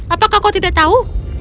apakah kau tidak tahu